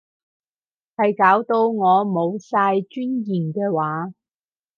係搞到我冇晒尊嚴嘅話